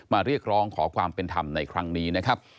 เรียกร้องขอความเป็นธรรมในครั้งนี้นะครับ